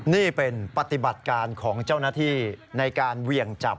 นี่เป็นปฏิบัติการของเจ้าหน้าที่ในการเหวี่ยงจับ